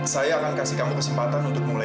saya akan kasih kamu kesempatan untuk mulai